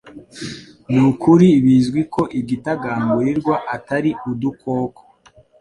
Nukuri bizwi ko igitagangurirwa atari udukoko.